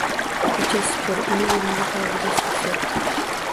Koʻcha supur uni oʻrniga, hovliga suv sep